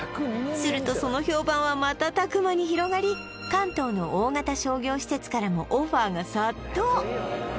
するとその評判は瞬く間に広がり関東の大型商業施設からもオファーが殺到！